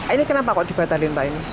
ini kenapa dibatalkan